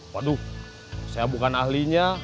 waduh saya bukan ahlinya